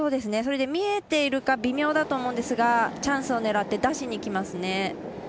見えているか微妙だと思うんですがチャンスを狙って出しにきますね。